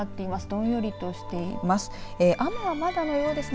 どんよりとしています。